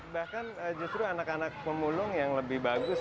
bahkan justru anak anak pemulung yang lebih bagus